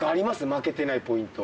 負けてないポイント。